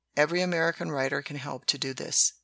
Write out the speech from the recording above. Every American writer can help to do this.